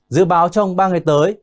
dự báo trong ba ngày tới